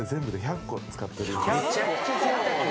めちゃくちゃぜいたく。